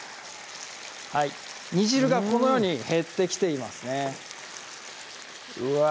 はい煮汁がこのように減ってきていますねうわ